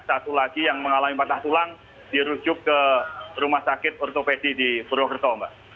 satu lagi yang mengalami patah tulang dirujuk ke rumah sakit ortopesi di purwokerto mbak